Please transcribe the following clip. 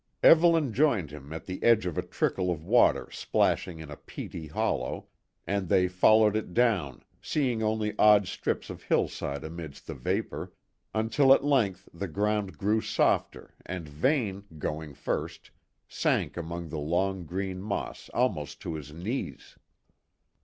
Evelyn joined him at the edge of a trickle of water splashing in a peaty hollow, and they followed it down, seeing only odd strips of hillside amidst the vapour, until at length the ground grew softer and Vane, going first, sank among the long green moss almost to his knees.